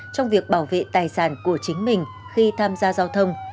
trong việc bảo vệ tài sản của chính mình khi tham gia giao thông